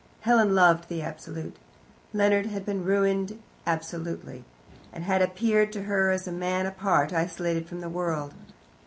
Helen loved the absolute. Leonard had been ruined absolutely, and had appeared to her as a man apart, isolated from the world.